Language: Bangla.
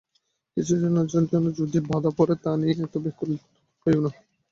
কিছুদিনের জন্যে যদি বাধা পড়ে তাই নিয়ে এত ব্যাকুল হোয়ো না।